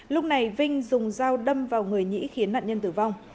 lúc này vinh dùng dao đâm vào người nhĩ khiến nạn nhân tử vong